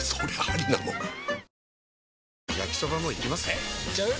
えいっちゃう？